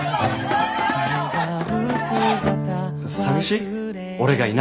さみしい？